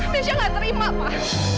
mesya gak terima pak